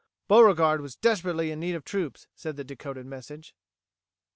Beauregard was desperately in need of troops, said the decoded message.